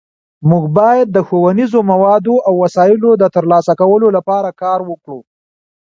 مونږ باید د ښوونیزو موادو او وسایلو د ترلاسه کولو لپاره کار وکړو